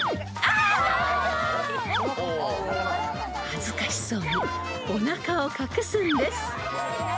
［恥ずかしそうにおなかを隠すんです］